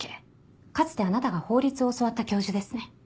かつてあなたが法律を教わった教授ですね。